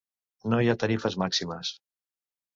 No hi ha tarifes màximes.